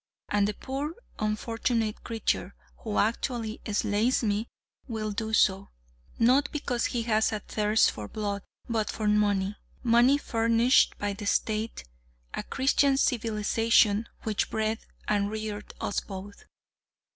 And the poor unfortunate creature, who actually slays me, will do so, not because he has a thirst for blood, but for money. Money furnished by the State a Christian civilization which bred and reared us both.